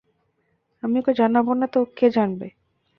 আমি ওঁকে জানব না তো কে জানবে?